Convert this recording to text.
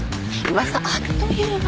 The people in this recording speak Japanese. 噂あっという間。